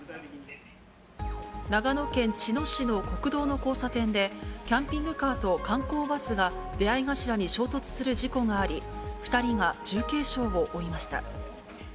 長野県茅野市の国道の交差点で、キャンピングカーと観光バスが出会い頭に衝突する事故があり、２人が重軽傷を負いました。